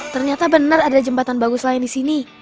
ternyata benar ada jembatan bagus lain di sini